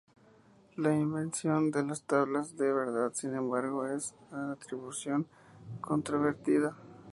La invención de las tablas de la verdad, sin embargo, es de atribución controvertida.